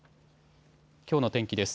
きょうの天気です。